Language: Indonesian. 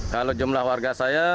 kalau jumlah warga saya